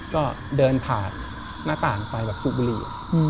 ก็เดินผ่านหน้าต่างไปแบบสูบบุหรี่